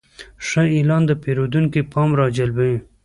ښه اعلان د پیرودونکي پام راجلبوي.